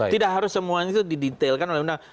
ya harus semuanya itu didetailkan oleh undang